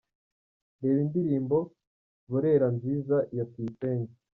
Reba indirimbo "Burera Nziza" ya Tuyisenge.